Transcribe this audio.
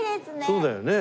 そうだよね。